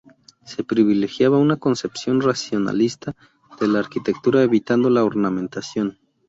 Se privilegiaba una concepción racionalista de la arquitectura, evitando la ornamentación.